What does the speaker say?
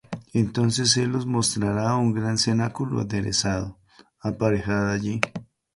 Entonces él os mostrará un gran cenáculo aderezado; aparejad allí.